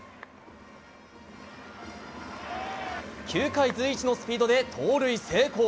球界随一のスピードで盗塁成功。